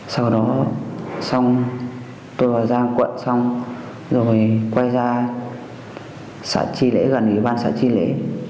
sau đó tôi vào giang cuộn xong rồi quay ra sả tri lễ gần ủy ban sả tri lễ